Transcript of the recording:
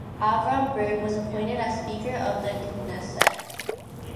Avraham Burg was appointed as Speaker of the Knesset.